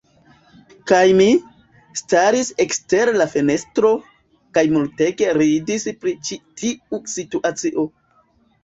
Kaj mi, staris ekster la fenestro, kaj multege ridis pri ĉi tiu situacio.